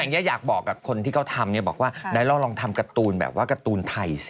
อยากบอกกับคนที่เขาทำเนี่ยบอกว่าไหนเราลองทำการ์ตูนแบบว่าการ์ตูนไทยสิ